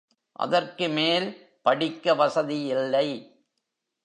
அதற்கு மேல் படிக்க வசதி இல்லை.